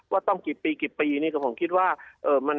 ว่าต้องกี่ปีกี่ปีนี่ก็ผมคิดว่า